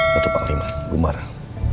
betul pak liman gumarah